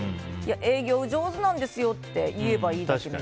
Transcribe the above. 営業上手なんですよって言えばいいだけなのに。